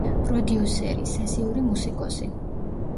პროდიუსერი, სესიური მუსიკოსი.